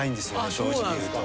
正直言うと。